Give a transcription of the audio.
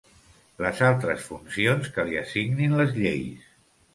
Les altres funcions que li assignin les lleis.